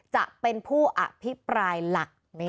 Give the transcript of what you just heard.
จะเป็นผู้อภิปรายหลัก